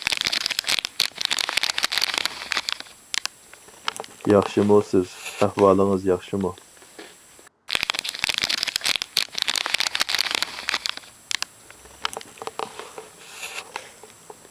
ياخشىمۇسىز، ئەھۋالىڭىز ياخشىمۇ؟